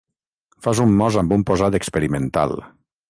Fas un mos amb un posat experimental.